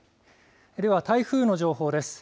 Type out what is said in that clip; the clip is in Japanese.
では、台風の情報です。